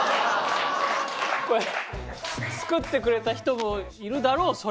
これ作ってくれた人もいるだろう